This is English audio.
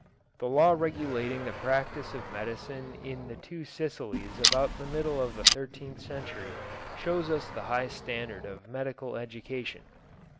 The law regulating the practice of medicine in the Two Sicilies about the middle of the thirteenth century shows us the high standard of medical education.